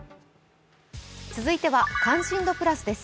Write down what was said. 続いては「関心度プラス」です。